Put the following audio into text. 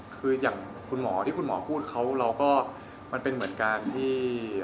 คืออย่างคุณหมอที่คุณหมอพูดเขาเราก็มันเป็นเหมือนการที่